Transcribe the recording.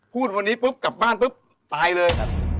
พูดวันนี้ปุ๊บกลับบ้านปุ๊บตายเลย